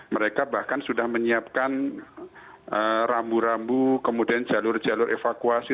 mereka bahkan sudah menyiapkan rambu rambu kemudian jalur jalur evakuasi